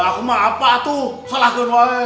aku mah apa tuh salah tuh boy